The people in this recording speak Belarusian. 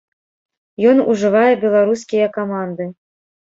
Ён ўжывае беларускія каманды.